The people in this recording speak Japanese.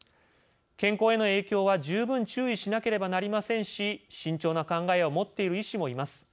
健康への影響は十分注意しなければなりませんし慎重な考えを持っている医師もいます。